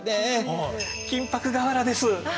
金箔瓦です。